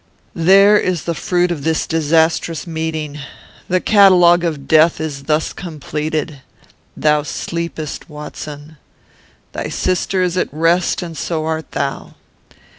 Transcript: "There is the fruit of this disastrous meeting. The catalogue of death is thus completed. Thou sleepest, Watson! Thy sister is at rest, and so art thou.